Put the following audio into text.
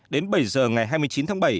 đến bảy h ngày hai mươi chín tháng bảy